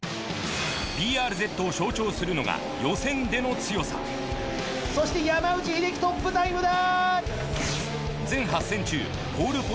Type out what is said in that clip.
ＢＲＺを象徴するのが予選での強さそして山内英輝トップタイムだ！